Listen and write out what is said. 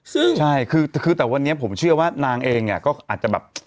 ซึ่งใช่คือแต่วันนี้ผมเชื่อว่านางเองก็อาจจะแบบ